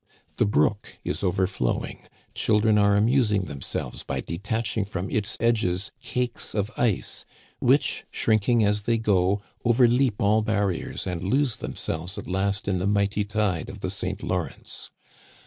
The brook is overflowing ; children are amusing themselves by detaching from its edges cakes of ice, which, shrinking as they go, over leap all barriers, and lose themselves at last in the mighty tide of the St. Lawrence.